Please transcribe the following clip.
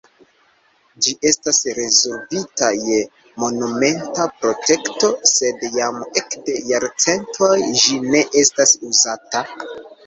Ĝi estas rezervita je monumenta protekto, sed jam ekde jarcentoj ĝi ne estas uzata.